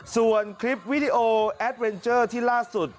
ส่วนคลิปวิดีโอแอดเวนเจอร์ที่ล่าสุด